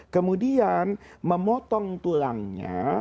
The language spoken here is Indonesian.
kemudian memotong tulangnya